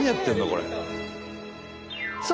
これ。